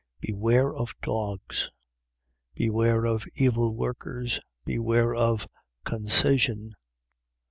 3:2. Beware of dogs: beware of evil workers: beware of the concision.